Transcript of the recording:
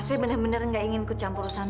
saya benar benar nggak ingin kecampurusan